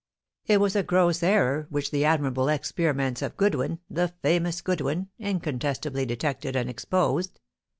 It was a gross error, which the admirable experiments of Goodwin the famous Goodwin incontestably detected and exposed."